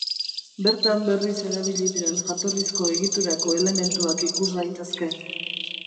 Bertan berriz erabili diren jatorrizko egiturako elementuak ikus daitezke.